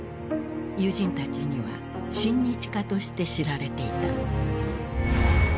友人たちには親日家として知られていた。